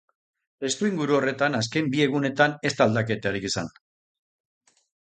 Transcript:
Testuinguru horretan, azken bi egunetan ez da aldaketarik izan.